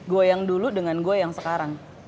gue yang dulu dengan gue yang sekarang